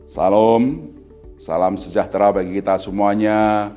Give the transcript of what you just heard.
salam salam sejahtera bagi kita semuanya